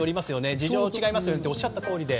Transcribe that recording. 事情は違いますよねとおっしゃったとおりで。